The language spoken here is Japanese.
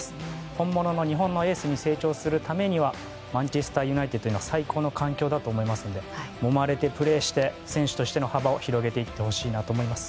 本物の日本のエースに成長するためにはマンチェスター・ユナイテッドは最高の環境だと思いますのでもまれてプレーして選手としての幅を広げていってほしいなと思います。